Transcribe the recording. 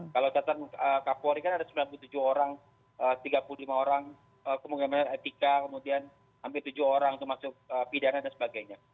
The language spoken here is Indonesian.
kalau catatan kapolri kan ada sembilan puluh tujuh orang tiga puluh lima orang kemudian etika kemudian hampir tujuh orang termasuk pidana dan sebagainya